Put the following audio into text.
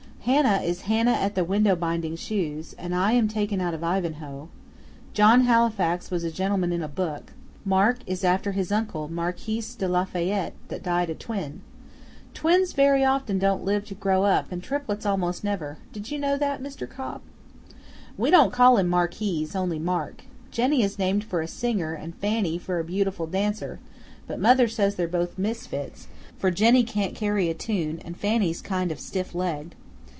Hannah is Hannah at the Window Binding Shoes, and I am taken out of Ivanhoe; John Halifax was a gentleman in a book; Mark is after his uncle Marquis de Lafayette that died a twin. (Twins very often don't live to grow up, and triplets almost never did you know that, Mr. Cobb?) We don't call him Marquis, only Mark. Jenny is named for a singer and Fanny for a beautiful dancer, but mother says they're both misfits, for Jenny can't carry a tune and Fanny's kind of stiff legged.